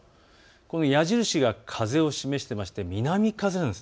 この矢印が風を示してまして、南風なんです。